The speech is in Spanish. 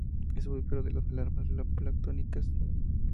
Es ovíparo y las larvas planctónicas.